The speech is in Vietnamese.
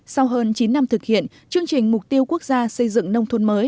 sau hơn chín năm thực hiện chương trình mục tiêu quốc gia xây dựng nông thôn mới